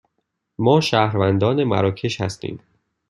ما شهروندان مراکش هستیم.